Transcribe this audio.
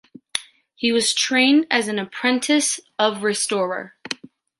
He was trained as an apprentice of restorer.